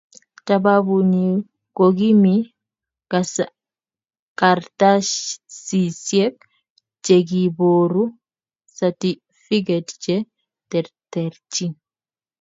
Tababunyi kokimi kartasisiek chekiiboru satifiket che terterchin